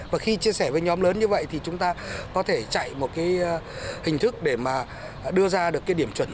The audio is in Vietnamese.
và khi chia sẻ với nhóm lớn như vậy thì chúng ta có thể chạy một hình thức để đưa ra được điểm chuẩn